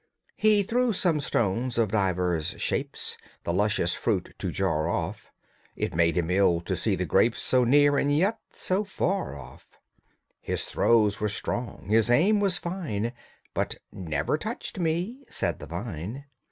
He threw some stones of divers shapes The luscious fruit to jar off: It made him ill to see the grapes So near and yet so far off. His throws were strong, his aim was fine, But "Never touched me!" said the vine.